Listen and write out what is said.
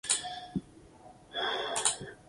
Hoy en día, X es una parte importante de Linux.